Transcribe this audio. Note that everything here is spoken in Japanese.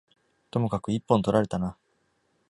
ともかく、一本取られたな。